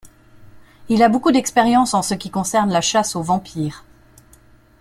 Il a beaucoup d'expérience en ce qui concerne la chasse aux vampires.